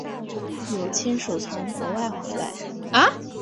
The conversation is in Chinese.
有亲属从国外回来